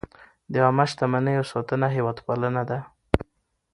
د عامه شتمنیو ساتنه هېوادپالنه ده.